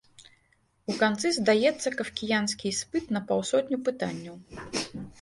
У канцы здаецца кафкіянскі іспыт на паўсотню пытанняў.